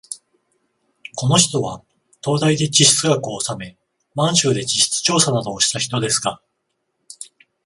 この人は東大で地質学をおさめ、満州で地質調査などをした人ですが、